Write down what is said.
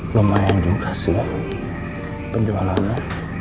lumayan juga sih ya penjualannya